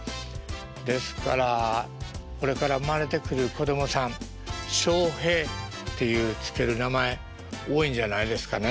ですからこれから生まれてくる子供さん「しょうへい」っていう付ける名前多いんじゃないですかね。